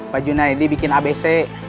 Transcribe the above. pak juna ya di bikin abc